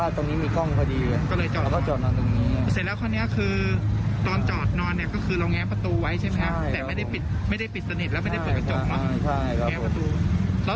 แล้วตอนที่คนร้ายมาถอดทองไปจากข้อมือคือหลับไม่สนิทไม่รู้เรื่องเลย